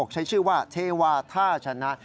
ใช้ชื่อว่าเทวาท่าชนะ